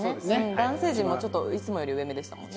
男性陣もちょっといつもより上めでしたもんね。